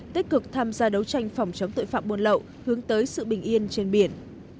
tích cực tham gia đấu tranh phòng chống tội phạm buôn lậu hướng tới sự bình yên trên biển